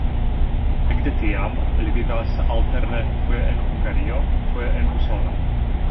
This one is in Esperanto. Ekde tiam li vivas alterne foje en Hungario, foje en Usono.